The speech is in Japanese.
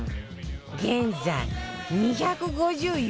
現在２５４万人！？